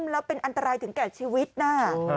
แล้วเป็นอันตรายถึงแก่ชีวิตนะ